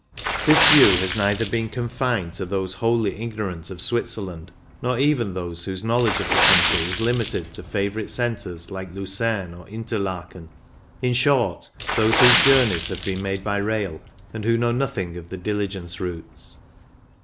This view has neither been confined to those wholly ignorant of Switzerland, nor even those whose know ledge of the country is limited to favourite centres like Lucerne or Interlaken — in short, those whose journeys have been made by rail, and who know nothing of the diligence routes.